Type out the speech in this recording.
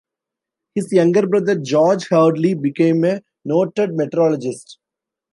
His younger brother George Hadley became a noted meteorologist.